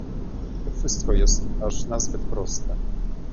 To wszystko jest aż nazbyt proste